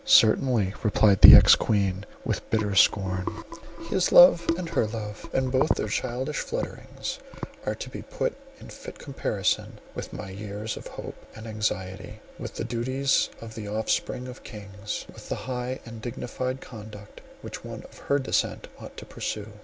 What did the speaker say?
"Certainly," replied the ex queen, with bitter scorn, "his love, and her love, and both their childish flutterings, are to be put in fit comparison with my years of hope and anxiety, with the duties of the offspring of kings, with the high and dignified conduct which one of her descent ought to pursue.